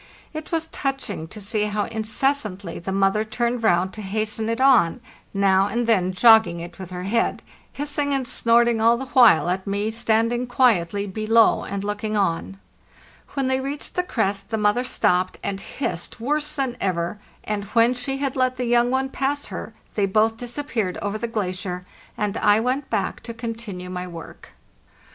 It was touching to see how incessantly the mother turned round to hasten it on, now and then jogging it with her head, hissing and snorting all the while at me standing quietly below and looking on. When they reached the crest the moth er stopped and hissed worse than ever, and when she had let the young one pass her, they both disappeared over the glacier, and I went back to continue my work.